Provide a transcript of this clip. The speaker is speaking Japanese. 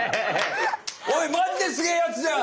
おいマジですげえやつじゃん！